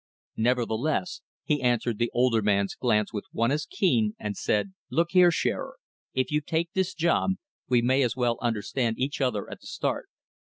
Nevertheless he answered the older man's glance with one as keen, and said: "Look here, Shearer, if you take this job, we may as well understand each other at the start.